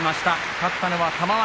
勝ったのは玉鷲。